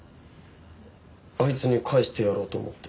あいつに返してやろうと思って。